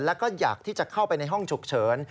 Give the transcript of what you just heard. แล้วก็อยากที่จะเข้าไปในห้องฉุกเฉิน